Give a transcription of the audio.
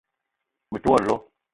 Me te wo lo